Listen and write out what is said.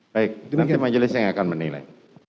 baik nanti majelis yang akan menilai